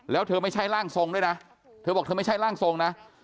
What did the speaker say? แล้วเธอไม่ใช่ร่างทรงด้วยนะเธอบอกเธอไม่ใช่ร่างทรงนะ